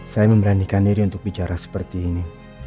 saya memberanikan diri untuk bicara seperti ini